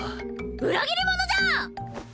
裏切り者じゃん！